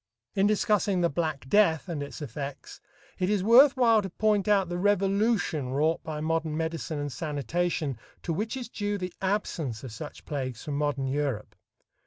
In discussing the "black death" and its effects, it is worth while to point out the revolution wrought by modern medicine and sanitation to which is due the absence of such plagues from modern Europe.